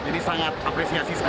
jadi sangat apresiasi sekali